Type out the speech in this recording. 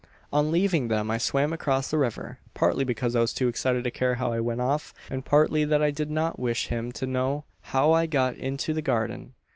"On leaving them I swam across the river; partly because I was too excited to care how I went off, and partly that I did not wish him to know how I had got into the garden.